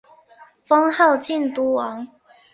封号靖都王。